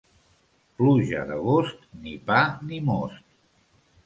Pluja d'agost, ni pa ni most.